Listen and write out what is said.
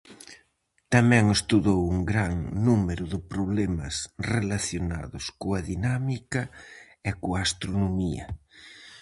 Tamén estudou un gran número de problemas relacionados coa dinámica e coa astronomía.